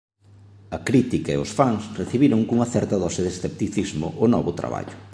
A crítica e os fans recibiron cunha certa dose de escepticismo o novo traballo.